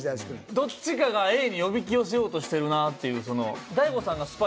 どっちかがＡにおびき寄せようとしてるなっていうその。